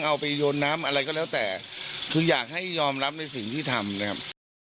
เอาไปโยนน้ำอะไรก็แล้วแต่คืออยากให้ยอมรับในสิ่งที่ทำนะครับ